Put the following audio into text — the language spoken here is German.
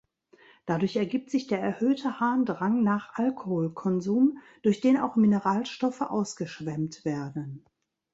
Dadurch ergibt sich der erhöhte Harndrang nach Alkoholkonsum, durch den auch Mineralstoffe ausgeschwemmt werden.